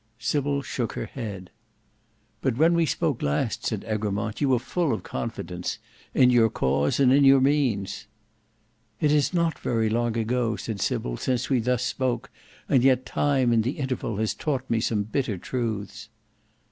Sybil shook her head. "But when we spoke last," said Egremont, "you were full of confidence—in your cause, and in your means." "It is not very long ago," said Sybil, "since we thus spoke, and yet time in the interval has taught me some bitter truths."